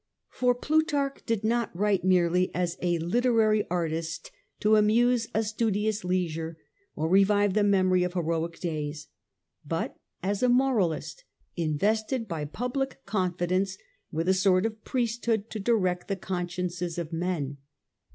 For Plutarch did not write merely as a literary artist to amuse a studious leisure or revive the memory of heroic days, but as a moralist invested by public con fidence with a sort of priesthood to direct the con sciences of men.